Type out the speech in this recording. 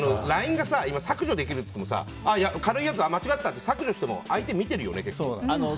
ＬＩＮＥが今、削除できるって軽いやつ間違ったって削除しても相手は見てるよね。